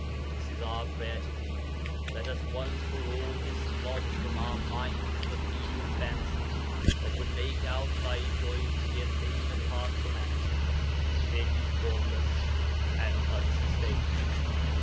This is our prayer to thee. Let us once for all dislodge from our minds the feeble fancy that would make out thy joy to be a thing apart from action, thin, formless and unsustained.